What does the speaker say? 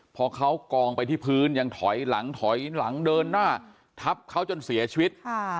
พอเขากองไปที่พื้นยังถอยหลังถอยหลังเดินหน้าทับเขาจนเสียชีวิต